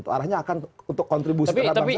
arahnya akan untuk kontribusi terhadap